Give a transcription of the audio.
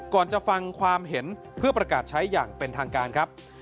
จะฟังความเห็นเพื่อประกาศใช้อย่างเป็นทางการครับ